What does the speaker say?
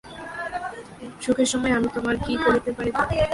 সুখের সময় আমি তোমার কী করিতে পারিতাম!